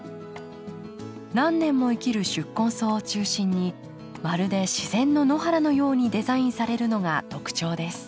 何年も生きる宿根草を中心にまるで自然の野原のようにデザインされるのが特徴です。